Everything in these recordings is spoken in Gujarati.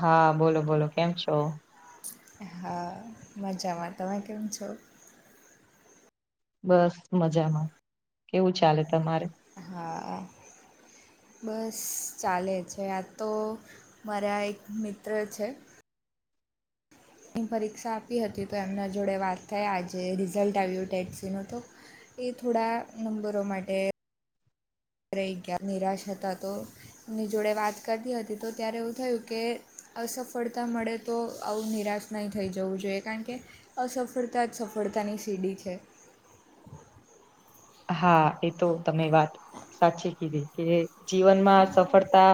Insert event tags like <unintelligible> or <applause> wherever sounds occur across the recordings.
હા બોલો બોલો કેમ છો? હા મજામાં તમે કેમ છો? બસ મજામાં કેવું ચાલે તમારે? હા. બસ ચાલે છે, આ તો મારા એક મિત્ર છે. એ પરીક્ષા આપી હતી તો એમના જોડે વાત થાય આજે રિઝલ્ટ આવ્યું ટેસીનું તો એ થોડા નંબરો માટે <unintelligible> ની જોડે વાત કરતી હતી તો ત્યારે એવું થયું કે અસફળતા મળે તો આવું નિરાશ નહીં થઈ જવું જોઈએ કારણ કે અસફળતા જ સફળતાની સીડી છે. હા એ તો તમે વાત સાચી કીધી. કે જીવનમાં સફળતા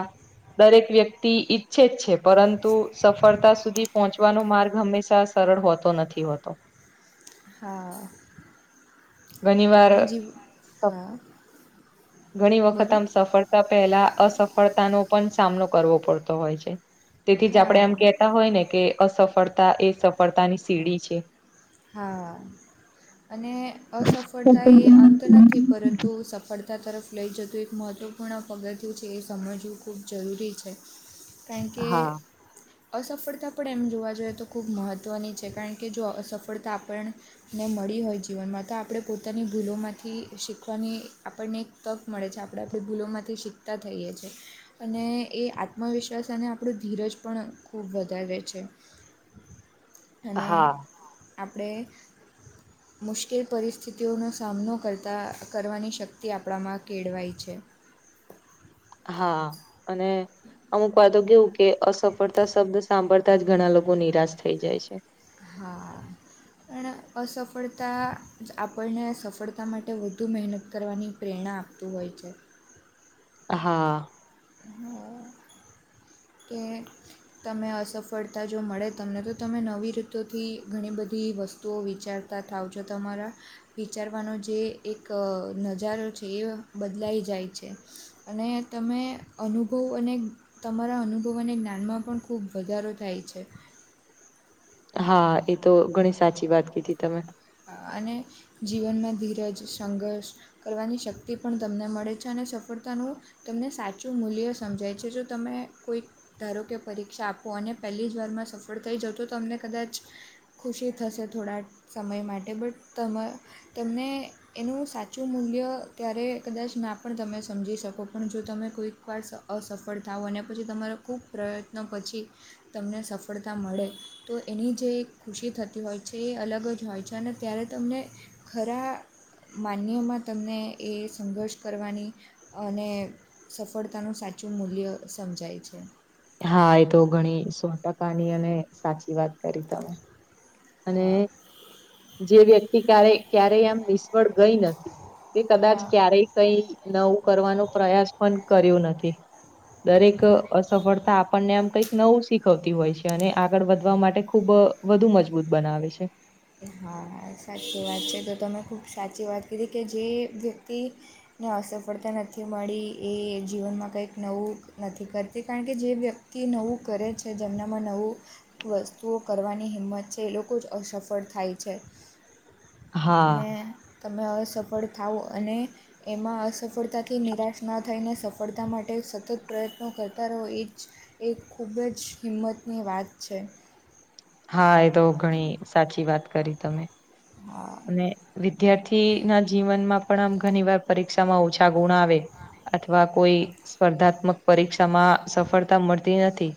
દરેક વ્યક્તિ ઈચ્છે જ છે પરંતુ સફળતા સુધી પહોંચવાનો માર્ગ હંમેશા સરળ હોતો નથી હોતો. હા. ઘણી વાર અને જીવ હા ઘણી વખત બોલો આમ સફળ તા પહેલા અસફળતા નો પણ સામનો કરવો પડતો હોય છે તેથી જ આપડે એમ હા કે તા હોય ને કે અસફળતા એ સફળતા ની સીડી છે. હા અને અસફળતા એ અંત નથી પરંતુ સફળતા તરફ લઈ જતું એક મહત્ત્વપૂર્ણ પગથિયું છે એ સમજવું ખૂબ જરૂરી છે. <inaudible> કારણ કે હા અસફળતા પણ એમ જોવા જઈએ તો ખૂબ મહત્ત્વની છે કારણ કે જો અસફળતા આપણને ને મળી હોય જીવનમાં તો આપડે પોતાની ભૂલોમાંથી શીખવાની આપણને તક મળે છે આપડે આપડી ભૂલોમાંથી શીખતા થઈએ છે અને એ આત્મવિશ્વાસ અને આપણું ધીરજ પણ ખૂબ વધાવે છે. <inaudible> અને આપડે મુશ્કેલ પરિસ્થિતિઓનો સામનો કરતા કરવાની શક્તિ આપડામાં કેડવાય છે. હા અને અમુક વાર તો કેવું કે અસફળતા શબ્દ સાંભળતા જ ઘણા લોકો નિરાશ થઇ જાય છે. હા પણ અસફળતા આપણને સફળતા માટે વધુ મહેનત કરવાની પ્રેરણા આ તુ હોય છે. હા હા કે તમે અસફળતા જો મળે તમને તો તમે નવી રીતોથી ઘણી બધી વસ્તુઓ વિચાર તા થાવ છો તમારા વિચારવાનો જે એક નજારો છે એ બદલાઈ જાય છે. અને તમે અનુભવ અને રા અનુભવો અને જ્ઞાનમાં પણ ખૂબ વધારો થાય છે. હા એ તો ઘણી સાચી વાત કીધી તમે અને જીવનમાં ધીરજ, સંઘર્ષ કરવાની શક્તિ પણ તમને મળે છે અને સફળતાનું તમને સાચું મૂલ્ય સમજાય છે જો તમે કોઈ ધારો કે પરીક્ષા આપો અને પહેલી જ વારમાં સફળ થઈ જાઓ તો તમને કદાચ ખુશી થશે થોડા સમય માટે બટ તમ તમને એનું સાચું મૂલ્ય ત્યારે કદાચ ના પણ તમે સમજી શકો પણ જો તમે કોઈ વાર અસફળ થાવ અને પછી તમારો ખૂબ પ્રયત્નો પછી તમને સફળતા મળે તો એની જે ખુશી થતી હોય છે એ અલગ જ હોય છે અને ત્યારે તમને ખરા માન્યમાં તમને એ સંઘર્ષ કરવાની અને સફળતાનું સાચું મૂલ્ય સમજાય છે. હા, એ તો ઘણી સો ટકા ની અને સાચી વાત કરી તમે અને હા જે વ્યક્તિ ક્યારે ક્યારેય આમ નિષ્ફળ ગઈ નથી તે કદાચ હા ક્યારેય કઈ નવું કરવાનું પ્રયાસ પણ કર્યું નથી. દરેક અસફળતા આપણને આમ કઈક નવું શીખવતી હોય છે અને આગળ વધવા માટે ખૂબ વધુ મજબૂત બનાવે છે. હા હા સાચી વાત છે તો તમે ખૂબ સાચી વાત કીધી કે જે વ્યક્તિ ને અસફળતા નથી મળી એ જીવનમાં કંઈક નવું નથી કરતી કારણ કે જે વ્યક તિ નવું કરે પડ થાય છે, હા અને તમે અસફળ થાવ અને એમાં અસફળતાથી નિરાશ ના થઈને સફ ડતા માટે સતત એ ખૂબ જ હિંમતની વાત છે. હા એ તો ઘણી સાચી વાત કરી તમે હા અને વિદ્યાર્થી ના જીવનમાં પણ આમ ઘણી વાર પરીક્ષામાં ઓછા ગુણ આવે અથવા કોઈ સ્પર્ધાત્મક પરીક્ષામાં સફળતા મળતી નથી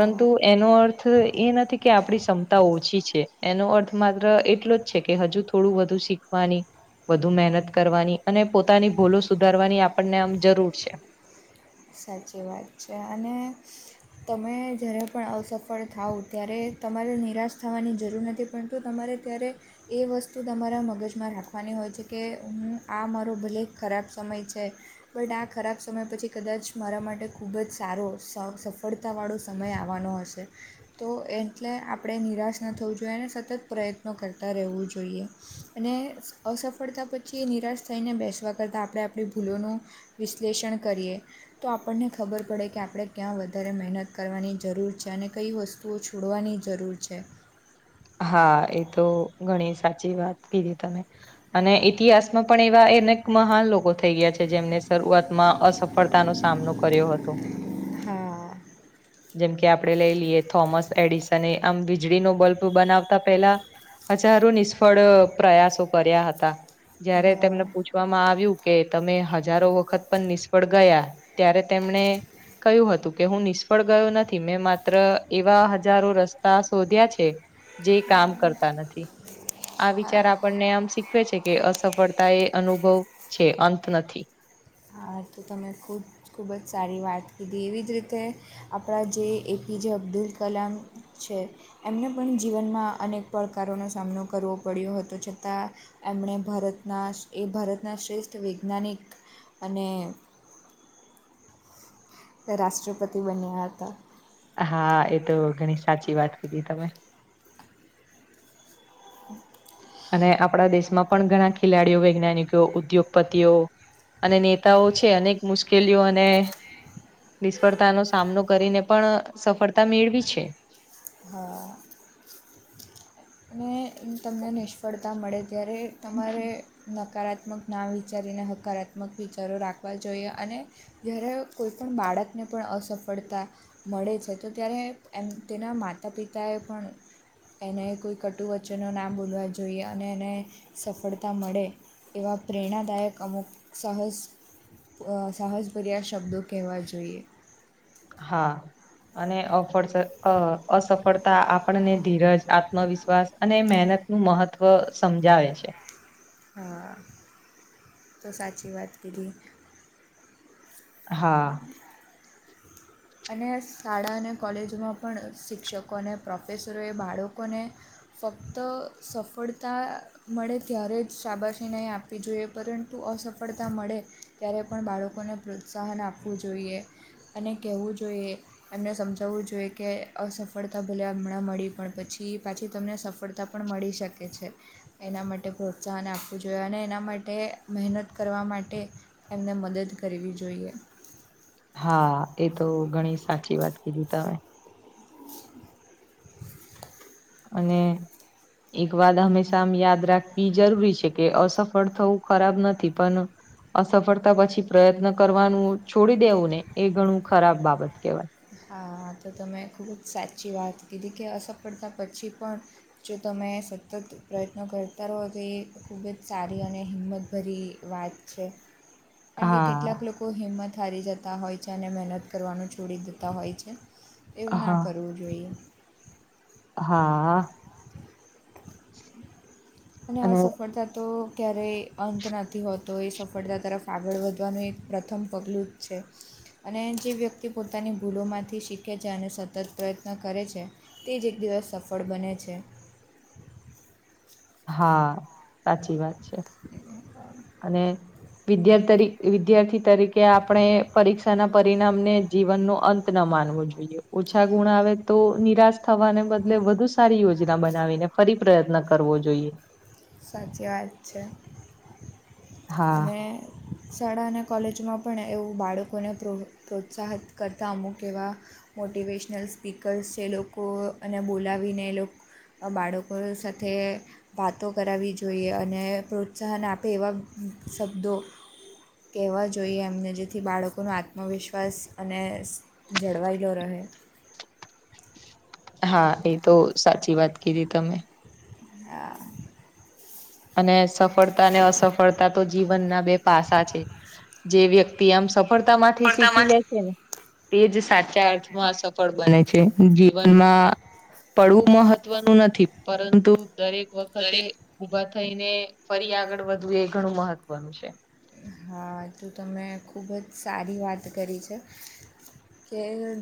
હા એનો અર્થ એ નથી. કે આપણી ક્ષમતા ઓછી છે એનો અર્થ માત્ર એટલો જ છે, કે હજુ થોડું વધુ શીખવાની વધુ મહેનત કરવાની અને પોતાની ભૂલો સુધારવાની આપણને આમ જરૂર છે. સાચી વાત છે, અને તમે જ્યારે પણ અસફળ થાવ ત્યારે તમારે નિરાશ થવાની જરૂર નથી, પણ તો તમારે ત્યારે એ વસ્તુ તમારા મગજમાં રાખવાની હોય છે કે હું આ મારો ભલે ખરાબ સમય છે. પણ આ ખરાબ સમય પછી. એ કદાચ મારા માટે ખૂબ જ સારો સ સફળતાવાળો સમય આવવાનો હશે તો એટલે આપણે નિરાશ ન થવું જોઈએ અને સતત પ્રયત્નો કરતાં રહેવું જોઈએ અને અસફળતા પછી એ નિરાશ થઈને બેસવા કરતાં આપણે આપણી ભૂલોનુ વિશ્લેષણ કરીએ તો આપણને ખબર પડે કે આપણે ક્યાં વધારે મહેનત કરવાની જરૂર છે અને કઈ વસ્તુ તો છોડવાની જરૂર છે. હા એ તો ઘણી સાચી વાત કીધી તમે અને ઇતિહાસ માં પણ એવા એને મહાન લોકો થઈ ગયા છે જેમને શરૂઆતમાં અસફળતાનોો સામનો કર્યો હતો. હા જેમકે આપડે લઈ લઈએ થોમસ એડિસન એ આમ વીજળીનોો બલ્બ બનાવતા પેલા હજારો નિષ્ફળ પ્રયાસો કર્યા હતા જયારે હા તને પૂછ વામાં આવ્યું કે તમે હજારો વખત પણ નિષ્ફળ ગયા ત્યારે તેમને કયું હતું કે હું નિષ્ફળ ગયો નથી મેં માત્ર એવા હજારો રસ્તા શોધ્યા છે. જે કામ કરતા નથી આ હા વિચાર આપણને આમ શીખવે છે કે અસફળતા એ અનુભવ છે, અંત નથી. હા તો તમે ખૂબ ખૂબ જ સારી વાત કીધી એવી જ રીતે આપણા જે એપીજ અબ્દુલ કલામ છે. એમને પણ જીવનમાં અનેક પડકારોનો સામનો કરવો પડ્યો હતો છતા એમણે ભારતના એ ભારતના શ્રેષ્ઠ વૈજ્ઞાનિક અને તે રાષ્ટ્રપતિ બન્યા હતા. હા એ તો ઘણી સાચી વાત કીધી તમે હમ અને આપણા દેશમાં પણ ઘણા ખેલાડીઓ વૈજ્ઞાનિકો ઉદ્યોગપતિઓ અને નેતાઓ છે, અનેક મુશ્કેલીઓ અને નિષ્ફળતાનો સામનો કરીને પણ સફળતા મેળવી છે. હા અનેને તમને નિષ્ફળતા મળે ત્યારે તમારે નકારાત્મક ના વિચારીને હકારાત્મક વિચારો રાખવા જોઈએ, અને ઘેરે કોઈ પણ બાળકને પણ અસફળતા મળે છે તો ત્યારે એમ તેના માતા પિતાએ પણ એને કોઈક કટુ વચનો ના બોલવા જોઈએ અને એને સફળતા મળે એવા પ્રેરણાદાયક અમુક સાહસ અ સાહસ ભર્યા શબ્દો કહેવા જોઈએ હા! અને અફેર્સ, અ અસફળતા આપ પણને ધીરજ આત્મવિશ્વાસ અને મહેનત નું મહત્વ સમજાવે છે હા, તો સાચી વાત કીધી હા અને શાળા ને કોલેજમાં પણ શિક્ષકોને પ્રોફેસરોએ બાળકોને ફક્ત સફળતા મળે ત્યારે જ શાબાશી નહીં આપવી જોઈએ, પરંતુ અસફળતા મળે ત્યારે પણ બાળકોને પ્રોત્સાહન આપવું જોઈએ અને કહેવું જોઈએ અને સમજાવવું જોઈએ કે અસફળતા ભલે અમણાં મળી પણ પછી, પાછી તમને સફળ તા પણ મળી શકે છે. એના માટે પ્રોત્સાહન આપવું જોઈએ અને એના માટે મહેનત કરવા માટે એમને મદદ કરવી જોઈએ હા, એ તો ઘણી સાચી વાત કીધી તમે અને એક વાત હંમેશા આમ યાદ રાખવી જરૂરી છે કે અસફળ થવું ખરાબ નથી પણ અસફળતા પછી પ્રયત્ન કરવાનું છોડી દેવું ને એ ઘણું ખરાબ બાબત કહેવાય. હા, આતો તમે ખૂબ જ સાચી વાત કીધી કે અસફળતા પછી પણ જો તમે સતત પ્રયત્નો કરતા રહો તો એ ખૂબ જ સારી અને હિંમતભરી વાત છે. <unintelligible> કાણ કે કેટલાક હા લોકો હિંમત હારી જતા હોય છે અને મહેનત કરવાનું છોડી દે તા હોય છે, એવું ના હા કરવું જોઈએ. હા! અને આ સફળતા તો ક્યારેય અંત નથી હોતો, એ સફળતા તરફ આગળ વધવાનું એક પ્રથમ પગલું જ છે. અને જે વ્યક્તિ પોતાની ભૂલોમાંથી શીખે છે અને સતત પ્રયત્ન કરે છે તે જ એક દિવસ સફળ બને છે. હા! સાચી વાત છે. <unintelligible> અને વિદ્યાર તરી, વિદ્યાર્થી તરીકે આપણે પરીક્ષા ના પરિણામ ને જીવન નો અંત ન માનવો જોઈએ, ઓછા ગુણ આવે તો નિરાશ થવાને બદલે વધુ સારી યોજના બનાવીને ફરી પ્રયત્ન કરવો જોઈએ. સાચે આજ છે હા મેં શાળા અને કોલેજમાં પણ એવું બાળકોને પ્રો પ્રોત્સાહત કરતાં અમુક એવા મોટિવેશનલ સ્પીકર્સ છે લોકો અને બોલાવીને એ લોકો બાળકો સાથે તો કરાવવી જોઈએ અને પ્રોત્સાહન આપે એવા શબ્દો કેહવા જોઈએ એમને, જેથી બાળકોનો આત્મવિશ્વાસ અને સ્ જળવાયેલો રહે હા, એ તો સાચી વાત કીધી તમે. હા. અને સફળતા અને અસફળતા તો જીવનના બે પાસા છે જે વ્યક્ત તિ આમ સફળતા માંથી શીખી લે પડતામાંથી છે ને, તેજ સાચા અર્થમાં આ સફળ બને છે. જીવનમાં પડવું મહત્વનું નથી પરંતુ દરેક વખતે દરેક ઉભા થઈને ફરી આગળ વધવું એ ઘણું મહત્વનું છે. હા તોું તમે ખૂબ જ સારી વાત કરી છે.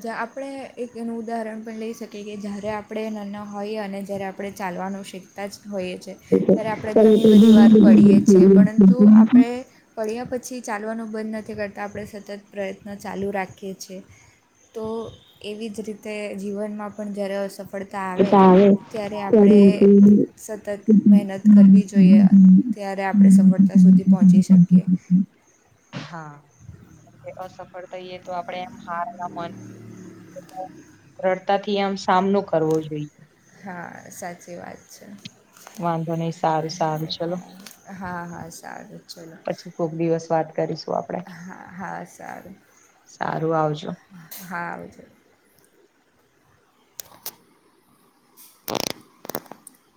કે આપણે એક એનું ઉદાહરણ પણ લઈ શકીએ કે જ્યારે આપણે નાના હોઈએ અને જ્યારે આપણે આપણે ચાલવાનું શીખતા જ હોઈએ છીએ. ત્યારે આપણે ઘણી બધી વાર પડીએ છીએ પરંતુ આપણે પડ્યા પછી ચાલવાનું બંધ નથી કરતાં આપણે સતત પ્રયત્ન ચાલુ રાખીએ છીએ. તો એવી જ રીતે જીવનમાં પણ જ્યારે અસફળ ત્યારે સતત મહેનત કરવી જોઈએ ત્યારે આપણે સફળતા સુધી પહોંચી શકીએ હાસ. તો આપાર રડતાથી આમ સામનો કરવો જોઈએ. હા સાચી વાત છે. વાંધો નહી સારું સારું ચલો હા હા સારું ચલો. પછી કોક દિવસ વાત કરીશું આપડે હા હા સારું. સારું આવજો. હાજ <unintelligible>